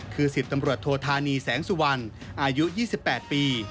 คือ๑๐ตำรวจโทธานีแสงสุวรรณอายุ๒๘ปี